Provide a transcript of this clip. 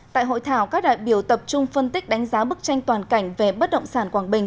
tại hội thảo các đại biểu tập trung phân tích đánh giá bức tranh toàn cảnh về bất động sản quảng bình